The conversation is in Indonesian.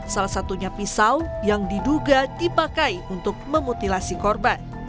salah satunya pisau yang diduga dipakai untuk memutilasi korban